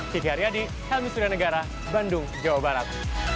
kiki aryadi helmi surianegara bandung jawa barat